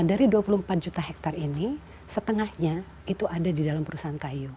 jadi dua puluh empat juta hektar ini setengahnya itu ada di dalam perusahaan kayu